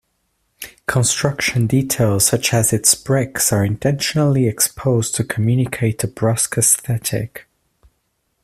Construction details such as its bricks are intentionally exposed to communicate a brusk aesthetic.